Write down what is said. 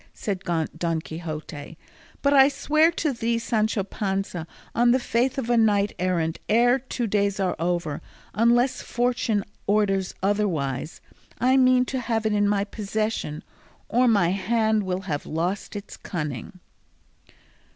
said Don Quixote; "but I swear to thee, Sancho Panza, on the faith of a knight errant, ere two days are over, unless fortune orders otherwise, I mean to have it in my possession, or my hand will have lost its cunning."